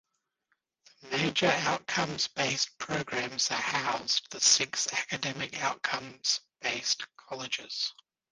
The major outcomes-based programs are housed the six academic outcomes-based colleges.